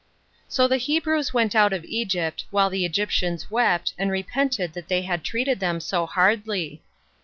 1. So the Hebrews went out of Egypt, while the Egyptians wept, and repented that they had treated them so hardly.